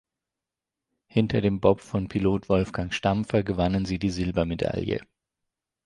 Hinter dem Bob von Pilot Wolfgang Stampfer gewannen sie die Silbermedaille.